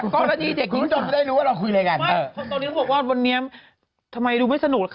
ก็ต้องพูด